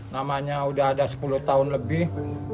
namanya udah ada sepuluh tahun lebih